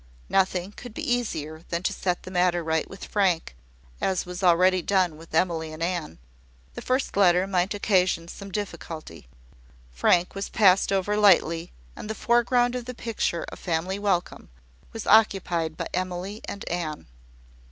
Nothing could be easier than to set the matter right with Frank, as was already done with Emily and Anne; the first letter might occasion some difficulty. Frank was passed over lightly, and the foreground of the picture of family welcome was occupied by Emily and Anne.